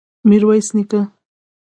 ميرويس نيکه!